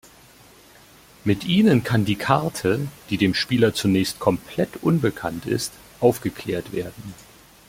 Mit ihnen kann die Karte, die dem Spieler zunächst komplett unbekannt ist, aufgeklärt werden.